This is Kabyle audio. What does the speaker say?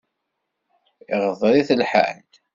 Iɣḍer-it lḥal.